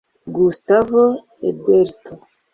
Gustavo Eberto